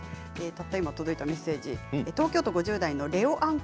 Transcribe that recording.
たった今、届いたメッセージ東京都５０代の方。